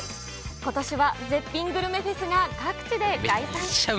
ことしは絶品グルメフェスが各地で開催。